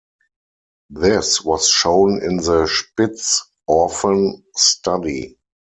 This was shown in the Spitz orphan study.